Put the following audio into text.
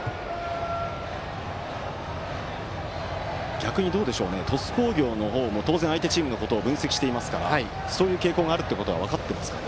逆に鳥栖工業の方も当然、相手チームのことを分析していますからそういう傾向があることは分かっていますかね？